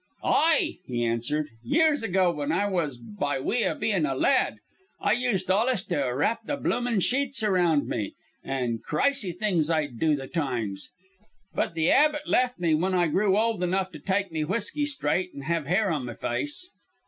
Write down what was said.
"Aye," he answered, "years ago, when I was by wye o' being a lad, I used allus to wrap the bloomin' sheets around me. An' crysy things I'd do the times. But the 'abit left me when I grew old enough to tyke me whisky strite and have hair on me fyce."